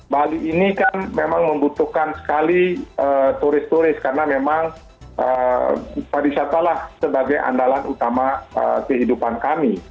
bali ini kan memang membutuhkan sekali turis turis karena memang pariwisata lah sebagai andalan utama kehidupan kami